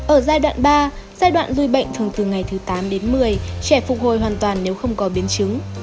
ở giai đoạn ba giai đoạn rui bệnh thường từ ngày thứ tám đến một mươi trẻ phục hồi hoàn toàn nếu không có biến chứng